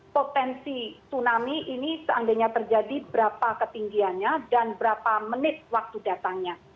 potensi tsunami ini seandainya terjadi berapa ketinggiannya dan berapa menit waktu datangnya